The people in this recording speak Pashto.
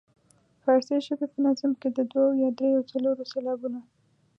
فارسي ژبې په نظم کې د دوو یا دریو او څلورو سېلابونو.